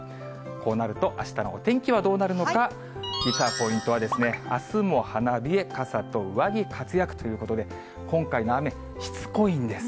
こうなると、あしたのお天気はどうなるのか、実はポイントはですね、あすも花冷え、傘と上着活躍ということで、今回の雨、しつこいんです。